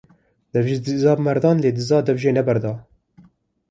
Dev ji dizan berdan lê diz dev jê bernade